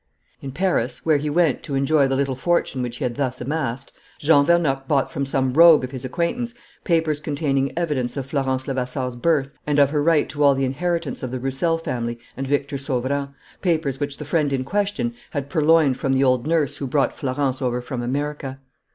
"In Paris, where he went to enjoy the little fortune which he had thus amassed, Jean Vernocq bought from some rogue of his acquaintance papers containing evidence of Florence Levasseur's birth and of her right to all the inheritance of the Roussel family and Victor Sauverand, papers which the friend in question had purloined from the old nurse who brought Florence over from America.